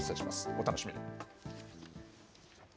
お楽しみに。